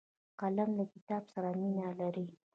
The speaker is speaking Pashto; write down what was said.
قلم له کتاب سره مینه لري